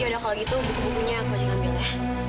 yaudah kalau gitu buku bukunya aku masih ngambil